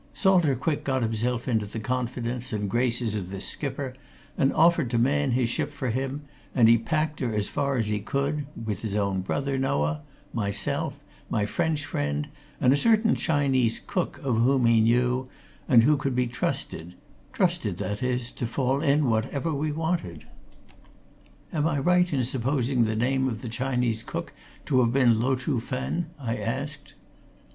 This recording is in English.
Salter Quick got himself into the confidence and graces of this skipper, and offered to man his ship for him, and he packed her as far as he could with his own brother, Noah, myself, my French friend, and a certain Chinese cook of whom he knew and who could be trusted trusted, that is, to fall in whatever we wanted." "Am I right in supposing the name of the Chinese cook to have been Lo Chuh Fen?" I asked.